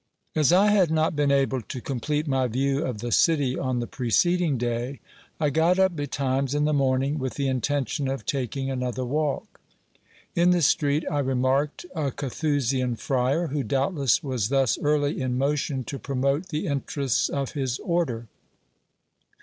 As I had not been able to complete my view of the city on the preceding day, I got up betimes in the morning with the intention of taking another walk. In the street I remarked a Carthusian friar, who doubtless was thus early in motion to promote the interests of his order.